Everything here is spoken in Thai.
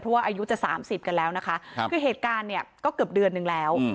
เพราะว่าอายุจะ๓๐กันแล้วนะคะคือเหตุการณ์เนี่ยก็เกือบเดือนนึงแล้ว